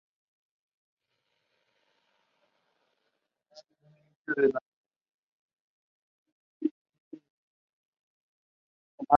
Cualquier consonante que precede a una vocal es el inicio de esa sílaba.